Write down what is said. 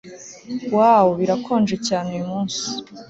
Wow birakonje cyane uyumunsi